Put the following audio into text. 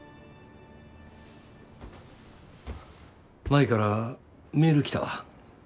舞からメール来たわ。